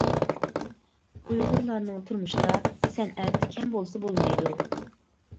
ئۇيغۇرلارنىڭ تۇرمۇشىدا سەنئەت كەم بولسا بولمايدۇ.